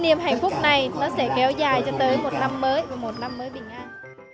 niềm hạnh phúc này nó sẽ kéo dài cho tới một năm mới và một năm mới bình an